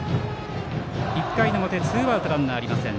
１回の表、ツーアウトランナーありません。